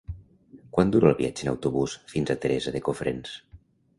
Quant dura el viatge en autobús fins a Teresa de Cofrents?